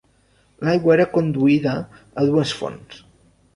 L'aigua era conduïda a dues fonts.